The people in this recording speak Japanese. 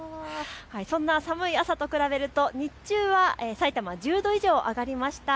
そんな寒い朝と比べると日中はさいたま１０度以上上がりました。